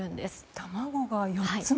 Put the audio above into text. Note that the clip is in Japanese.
卵が４つも。